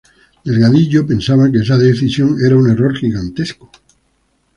Delgadillo pensaba que esa decisión era un error gigantesco.